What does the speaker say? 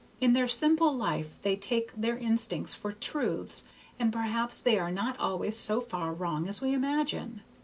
In their simple life they take their instincts for truths, and perhaps they are not always so far wrong as we imagine.